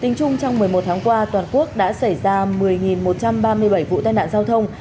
tính chung trong một mươi một tháng qua toàn quốc đã xảy ra một mươi một trăm ba mươi bảy vụ tai nạn giao thông